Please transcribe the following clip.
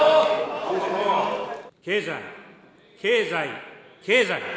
経済、経済、経済。